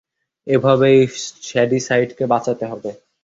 এভাবেই শ্যাডিসাইডকে বাঁচাতে হবে।